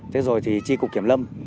thế rồi thì tri cục kiểm lâm